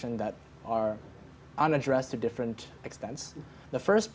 yang tidak diadreskan dalam keadaan yang berbeda